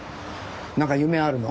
なんか夢あるの？